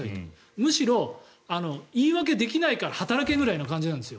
むしろ言い訳できないから働けぐらいの感じなんですよ。